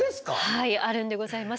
はいあるんでございます。